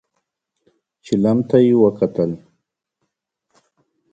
چيلم ته يې وکتل.